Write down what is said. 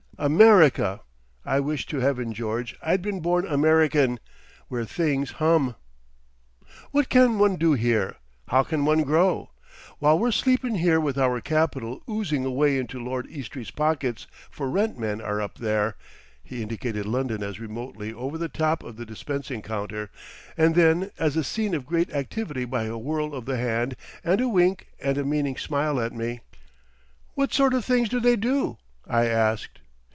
America! I wish to Heaven, George, I'd been born American—where things hum. "What can one do here? How can one grow? While we're sleepin' here with our Capital oozing away into Lord Eastry's pockets for rent men are up there...." He indicated London as remotely over the top of the dispensing counter, and then as a scene of great activity by a whirl of the hand and a wink and a meaning smile at me. "What sort of things do they do?" I asked.